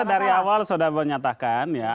dari awal sudah menyatakan ya